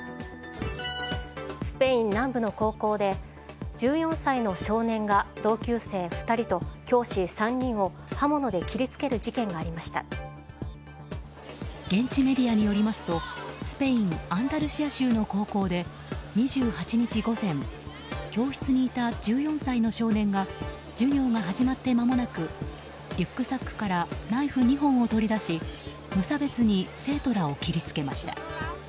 スペイン南部の高校で１４歳の少年が同級生２人と教師３人を刃物で切り付ける事件が現地メディアによりますとスペイン・アンダルシア州の高校で２８日午前教室にいた１４歳の少年が授業が始まって間もなくリュックサックからナイフ２本を取り出し無差別に生徒らを切りつけました。